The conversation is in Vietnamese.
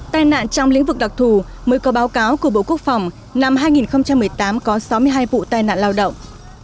tai nạn trong lĩnh vực đặc thù mới có báo cáo của bộ quốc phòng năm hai nghìn một mươi tám có sáu mươi hai vụ tai nạn lao động